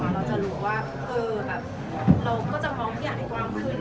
เราจะรู้ว่าเราก็จะมองทุกอย่างให้กว้างขึ้น